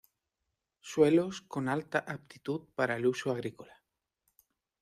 Suelos con alta aptitud para el uso agrícola.